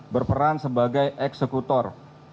berperan sebagai eksekutor